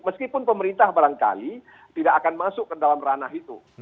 meskipun pemerintah barangkali tidak akan masuk ke dalam ranah itu